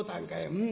「うん。